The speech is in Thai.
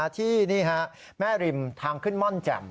ที่แม่ริมทางขึ้นม่อนแจ่ม